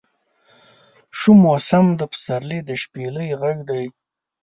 شو موسم د پسرلي د شپیلۍ غږدی